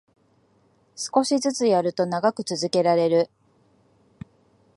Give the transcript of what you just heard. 少しずつやると長く続けられる